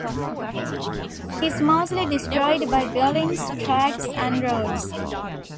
It is mostly destroyed by buildings, tracks and roads.